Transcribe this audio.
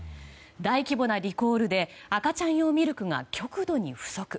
大規模なリコールで赤ちゃん用ミルクが極度に不足。